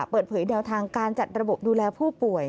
เปิดเผยแนวทางการจัดระบบดูแลผู้ป่วย